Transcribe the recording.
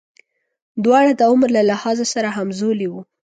دواړه د عمر له لحاظه سره همزولي وو.